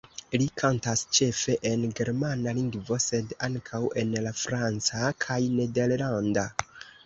Li kantas ĉefe en germana lingvo, sed ankaŭ en la franca kaj nederlanda.